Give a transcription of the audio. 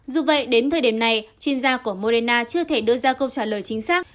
dù vậy đến thời điểm này chuyên gia của morena chưa thể đưa ra câu trả lời chính xác